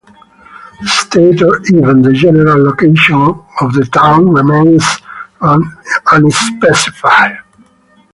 The state or even the general location of the town remains unspecified.